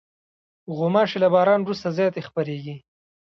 غوماشې له باران وروسته زیاتې خپرېږي.